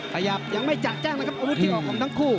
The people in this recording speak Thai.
ขยับยังไม่จากแจ้งนะครับเอารุ่นที่ออกความทั้งคู่